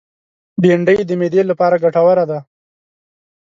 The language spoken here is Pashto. بېنډۍ د معدې لپاره ګټوره ده